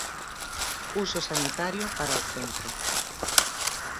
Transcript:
Uso sanitario para o centro.